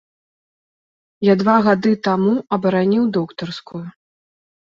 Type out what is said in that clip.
Я два гады таму абараніў доктарскую.